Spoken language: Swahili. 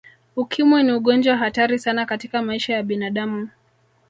Ukimwi ni ugonjwa hatari sana katika maisha ya binadamu